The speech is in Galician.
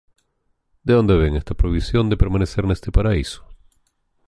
De onde vén esta prohibición de permanecer neste paraíso?